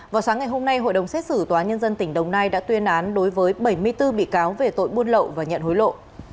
vào sáng ngày hôm nay hội đồng xét xử tòa nhân dân tỉnh đồng nai đã tuyên án đối với bảy mươi bốn bị cáo về tội buôn lậu và nhận hối lộ